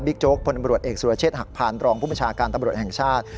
โจ๊กพลตำรวจเอกสุรเชษฐหักพานรองผู้บัญชาการตำรวจแห่งชาติ